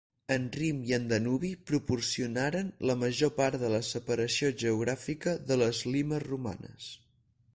El Rin i el Danubi proporcionaren la major part de la separació geogràfica de les "limes" romanes.